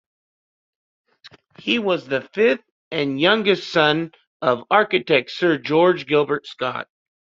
He was the fifth and youngest son of architect Sir George Gilbert Scott.